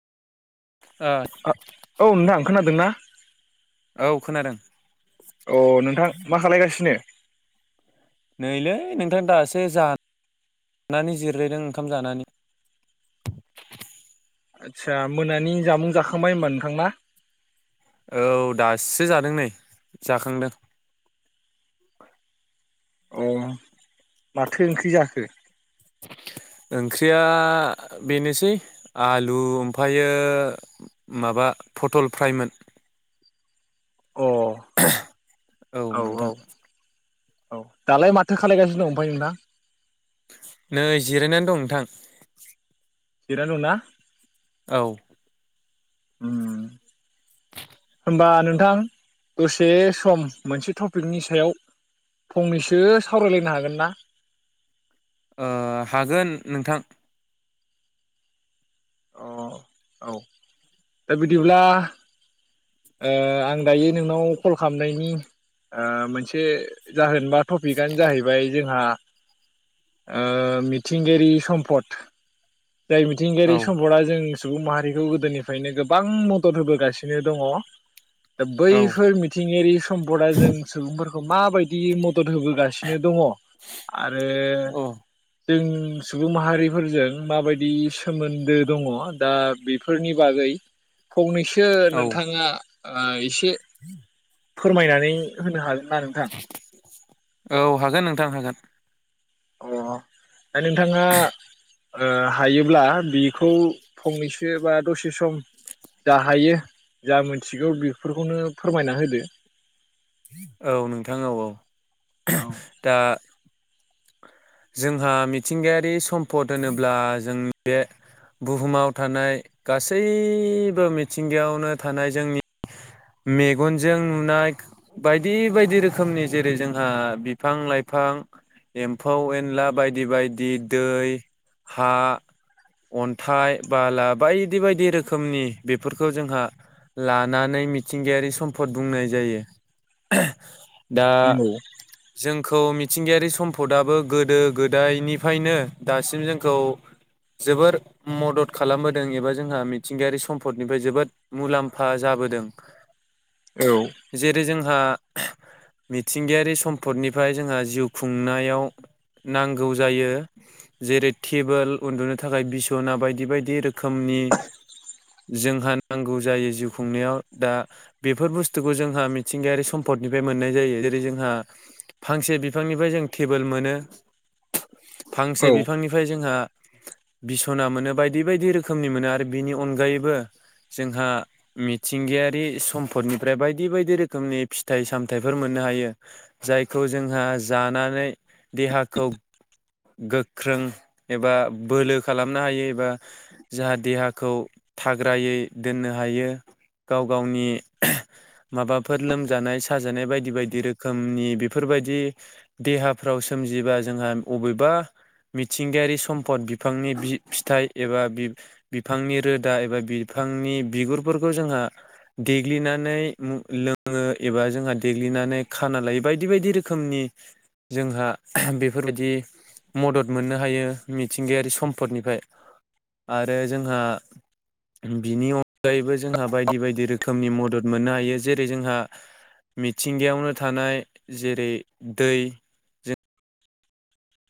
ओ औ नोंथां खोनादोंना? औ खोनादों। अ नोंथां मा खालायगासिनो। नैलै नोंथां दासो जानानै जिरायदों ओंखाम जानानै। आदसा मोनानि जामुं जाखांबाय होमबा नोंथांना। औ दासो जादों नै जाखांदों। अ माथो ओंख्रि जाखो? ओंख्रिया बेनोसै आलु ओमफ्रायो माबा पटल फ्रायमोन। अ औ औ। औ दालाय माथो खालायगासिनो दं ओमफाय नोंना? नै जिरायनानै दं नोंथां। जिरायनानै दं ना? औ। उम। होनबा नोंथां दसे सम मोनसे टपिकनि सायाव फंनैसो सावरायलायनो हागोन ना? ओ हागोन नोंथां। औ दा बिदिब्ला ओ आं दायो नोंनाव कल खालामनायनि ओ मोनसे जाहोन बा टपिकआनो जाहैबाय जोंहा ओ मिथिंगायारि सम्पद जाय मिथिंगा औ सम्पदा जों सुबुं माहारिखौ गोदोनिफ्रायनो गोबां मदद होबोगासिनो दङ। दा औ बैफोर मिथिंगायारि सम्पदा जों सुबुंफोरखौ माबायदि म दद होबोगासिनो दङ आरो औ जों सुबुं माहारिफोरजों माबायदि सोमो न्दो दङ दा बेफोरनि बागै फंनैसो सो नोंथाङा आ एसे फोरमायनानै होनो हा औ हागोन नोंथां हागोन। अ दा नोंथाङा हायोब्ला बेखौ फंनैसो बा दसे सम जा हायो जा मोनथिगौ बेफोरखौनो फोरमायना होदो औ नोंथां औ औ दा जोंहा मिथिंगायारि सम्पद होनोब्ला जोंनि बे बुहुमाव थानाय गासैबो मिथिंगायावनो थानाय जोंनि मेगनजों नुनाय बायदि बायदि रोखोमनि जेरै जोंहा बिफां लाइफां एम्फौ एम्फौ एनला बायदि बायदि दै हा अन्थाइ बाला बायदि बायदि रोखोमनि बेफोरखौ जोंहा लानानै मिथिंगायारि सम्पद बुंनाय जायो दा औ जों खौ मिथिंगायारि सम्पदा गोदो गोदायनिफ्रायनो दासिम जोंखौ जोबोर मदद खालामबोदों एबा जोंहा मिथिंगायारि सम्फदनिफ्राय जोबोद मुलाम्फा जाबोदों औ जेरै जों जोंहा मिथिंगायारि सम्पदनिफ्राय जोंहा जिउ खुंनायाव नांगौ जायो जेरै टेबोल उन्दुनो थाखाय बिसना बायदि बायदि रोखोमनि जोंहा नांगौ जायो जिउ खुंनायाव दा बेफोर बुस्थुखौ जोंहा मिथिंगायारि सम्फदनिफ्राय मोननाय जायो जेरै जोंहा फांसे बिफांनिफ्राय जों टेबोल मोनो फांसे औ बिफांनिफ्राय जोंहा बिसना मोनो बायदि बायदि रोखोमनि मोनो आरो बिनि अनगायैबो जोंहा मिथिंगायारि सम्फदनिफ्राय बायदि बायदि रोखोमनि फिथाइ सामथाइफोर मोननो हायो जायखौ जोंहा जानानै देहाखौ गोख्रों एबा बोलो खालामनो हायो एबा जाहा देहाखौ थाग्रायै दोननो हायो गाव गावनि माबाफोर लोमजानाय साजानाय बायदि बायदि रोखोमनि बेफोरबायदि देहा फ्राव सोमजिबा जोंहा वबेबा मिथिंगायारि सम्फद बिफांनि फिथाइ एबा बिफांनि रोदा एबा बिफांनि बिगुरफोरखौ जोंहा देग्लिनानै लोङो एबा जोंहा देग्लिनानै खाना लायो बायदि बायदि रोखोमनि जोंहा बेफोरबायदि मदद मोननो हायो मिथिंगायारि सम्पदनिफ्राय आरो जोंहा बिनि अनगायैबो जोंहा बायदि बायदि रोखोमनि मदद मोननो हायो जेरै जोंहा मिथिंगायावनो थानाय जेरै दै ज